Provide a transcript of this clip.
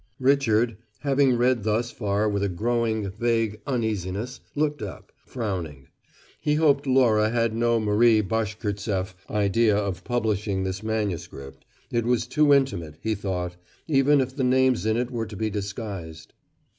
Richard having read thus far with a growing, vague uneasiness, looked up, frowning. He hoped Laura had no Marie Bashkirtseff idea of publishing this manuscript. It was too intimate, he thought, even if the names in it were to be disguised.